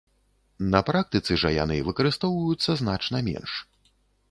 На практыцы жа яны выкарыстоўваюцца значна менш.